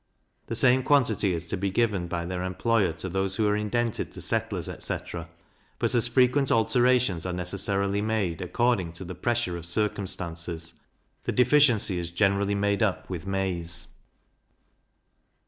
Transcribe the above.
The same quantity is to be given by their employer to those who are indented to settlers, etc.; but as frequent alterations are necessarily made, according to the pressure of circumstances, the deficiency is generally made up with maize.